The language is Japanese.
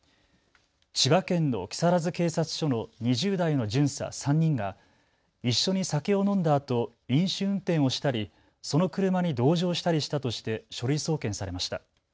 千葉県の木更津警察署の２０代の巡査３人が一緒に酒を飲んだあと、飲酒運転をしたりその車に同乗したりしたとして書類送検されました。